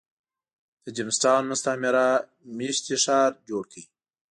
د جېمز ټاون مستعمره مېشتی ښار جوړ کړ.